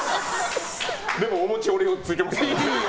でもお餅俺４ついけますから！